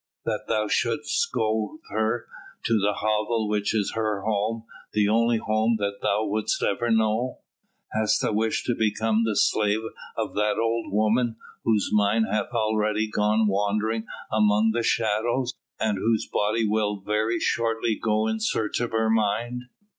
"That thou shouldst go with her to the hovel which is her home, the only home that thou wouldst ever know? Hast a wish to become the slave of that old woman, whose mind hath already gone wandering among the shadows, and whose body will very shortly go in search of her mind?